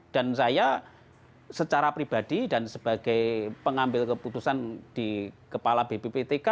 dan saya secara pribadi dan sebagai pengambil keputusan di kepala bpptk